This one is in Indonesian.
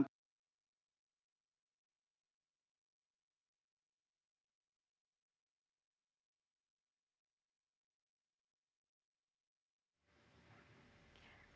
sistem pemerintahan dan keadilan kesehatan terhadap masyarakat